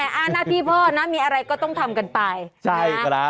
แต่อ่าหน้าที่พ่อนะมีอะไรก็ต้องทำกันไปใช่